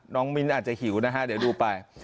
มิ้นอาจจะหิวนะฮะเดี๋ยวดูไป